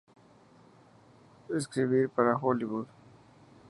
Escribir para Hollywood.